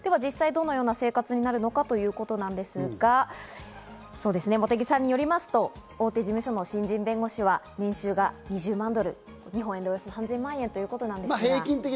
実際、どのような生活になるのかということなんですが、茂木さんによりますと大手事務所の新人弁護士は年収が２０万ドル、日本円平均で表してますね。